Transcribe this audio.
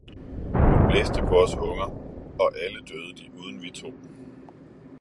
hun blæste på os unger, og alle døde de uden vi to.